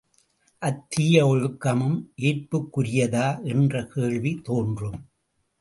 அத்தீய ஒழுக்கமும் ஏற்புக்குரியதா என்ற கேள்வி தோன்றும்.